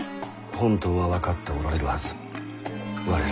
本当は分かっておられるはず我らは負けたのだと。